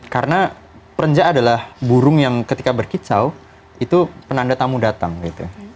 karena perenjak adalah burung yang ketika berkicau itu penanda tamu datang gitu